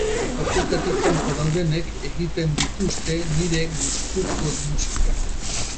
Fokuetatik kanpo daudenek egiten dituzte nire gustuko musikak.